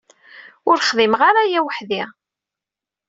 Ur xdimeɣ ara aya weḥd-i.